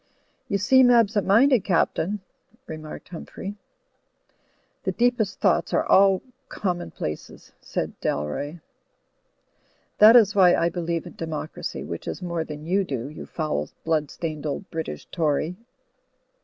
"You seem absent minded, Captain," remarked Humphrey. "The deepest thoughts are all commonplaces," said Dalroy. "That is why I believe in Democracy, which is more than you do, you foul blood stained old British Tory.